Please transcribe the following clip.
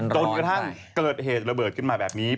จนกระทั่งเกิดเหตุระเบิดขึ้นมาแบบนี้